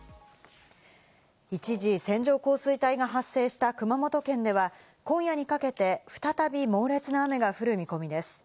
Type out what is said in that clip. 一時、線状降水帯が発生した熊本県では今夜にかけて再び猛烈な雨が降る見込みです。